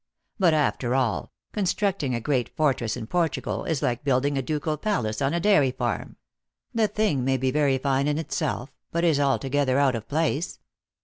But, after all, constructing a great fortress in Portu gal is like building a ducal palace on a dairy farm ; the thing may be very fine in itself, but is altogether out of place.